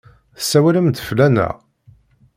Tessawalem-d fell-aneɣ?